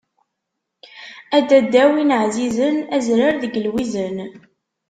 A dadda win ɛzizen, azrar deg lwizen.